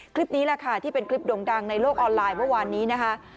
คลิปนี้แหละค่ะที่เป็นคลิปด่งดังในโลกออนไลน์เมื่อวานนี้นะคะ